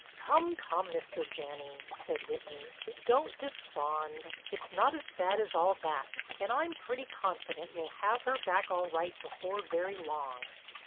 "Come, come, Mr. Janney," said Whitney, "don't despond. It's not as bad as all that, and I'm pretty confident we'll have her back all right before very long."